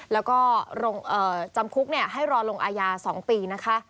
แล้วก็จำคุกให้รอลงอาญา๒ปีนะคะ